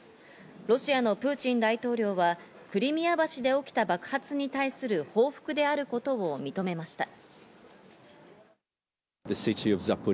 ロシアのプーチン大統領はクリミア橋で起きた爆発に対する報復であることを認めました。